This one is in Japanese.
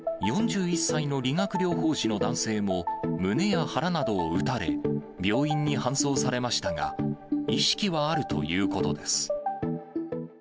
４１歳の理学療法士の男性も、胸や腹などを撃たれ、病院に搬送されましたが、意識はあるということです。